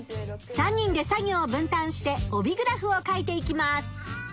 ３人で作業を分たんして帯グラフを書いていきます。